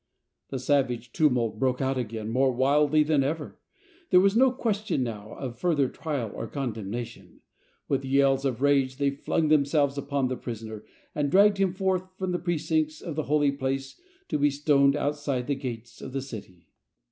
The savage tumult broke out again more wildly than ever. There was no question now of further trial or condemnation. With yells of rage they flung themselves upon the pris oner, and dragged him forth from the precincts of tlie Holy Place to be stoned outside the gates of the city.